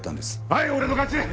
はい俺の勝ち！